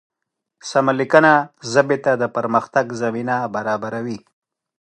سمه لیکنه ژبې ته د پرمختګ زمینه برابروي.